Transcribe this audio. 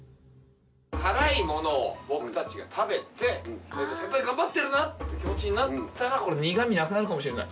辛いものを僕たちが食べて先輩頑張ってるなって気持ちになったらこれ苦味なくなるかもしれない。